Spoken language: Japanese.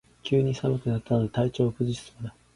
急に寒くなったので体調を崩しそうだ